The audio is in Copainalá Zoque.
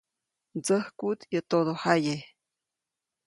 Ndsäjkuʼt yäʼ todojaye.